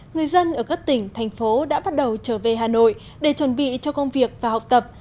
người dân ở các tỉnh thành phố đã bắt đầu trở về hà nội để chuẩn bị cho công việc và học tập